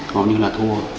hầu như là thua